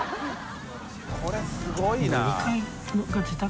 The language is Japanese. これすごいな。